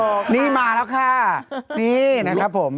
นี่มาแล้วค่ะนี่นะครับผม